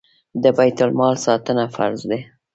د بیت المال ساتنه فرض ده